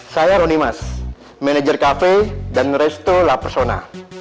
saya roni mas manajer kafe dan resto la persona